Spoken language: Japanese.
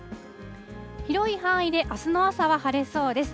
広い範囲であすの朝は晴れそうです。